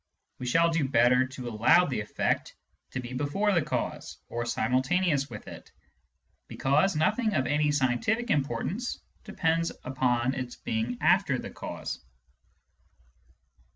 We shall do better to allow the efFect to be before the cause or simultaneous with it, because nothing of any scientific importance depends upon its being after the cause.